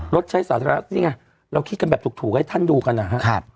รถใช้สาธารณะนี่ไงเราคิดกันแบบถูกให้ท่านดูกันนะครับ